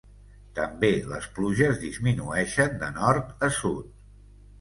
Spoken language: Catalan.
També les pluges disminueixen de nord a sud.